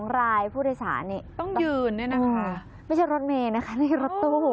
๒รายผู้โดยสารต้องยืนด้วยนะคะไม่ใช่รถเมย์นะคะนี่รถตู้